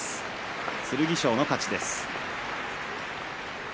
剣翔の勝ちです。